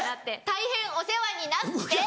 大変お世話になって！